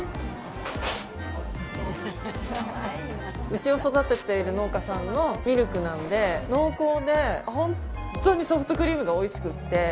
牛を育てている農家さんのミルクなので濃厚で本当にソフトクリームがおいしくて。